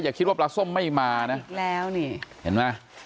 คิดว่าปลาส้มไม่มานะแล้วนี่เห็นไหม